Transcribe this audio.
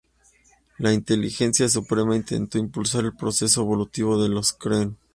La Inteligencia Suprema intentó impulsar el proceso evolutivo de los Kree.